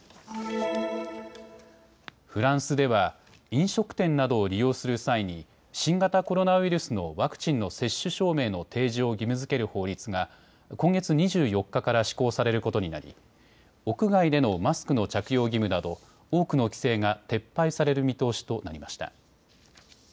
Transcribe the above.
フランスでは飲食店などを利用する際に新型コロナウイルスのワクチンの接種証明の提示を義務づける法律が今月２４日から施行されることになり、屋外でのマスクの着用義務など多くの規制が撤廃される見通しとなりました。